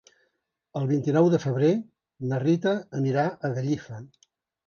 El vint-i-nou de febrer na Rita anirà a Gallifa.